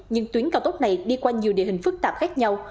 nhưng tuyến cao tốc này đi qua nhiều địa hình phức tạp khác nhau